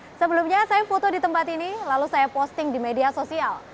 nah sebelumnya saya foto di tempat ini lalu saya posting di media sosial